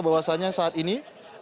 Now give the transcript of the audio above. bahwasannya saat ini